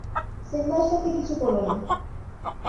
সিম্বার সাথে কিছু করোনা!